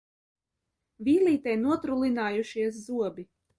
Vīlītei notrulinājušies zobi.